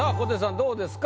どうですか？